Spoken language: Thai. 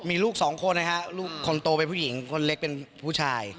มีลูกสองคนนะฮะลูกคนโตเป็นผู้หญิงคนเล็กเป็นผู้ชาย